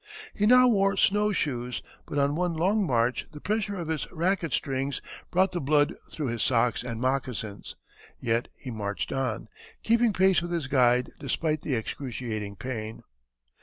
He now wore snow shoes, but on one long march the pressure of his racket strings brought the blood through his socks and moccasins, yet he marched on, keeping pace with his guide despite the excruciating pain.